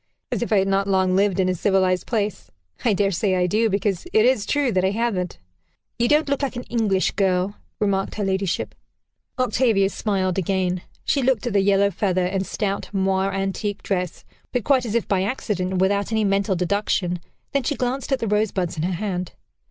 "As if I had not long lived in a civilized place. I dare say I do, because it is true that I haven't." "You don't look like an English girl," remarked her ladyship. Octavia smiled again. She looked at the yellow feather and stout moire antique dress, but quite as if by accident, and without any mental deduction; then she glanced at the rosebuds in her hand.